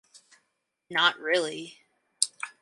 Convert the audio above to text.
Not really.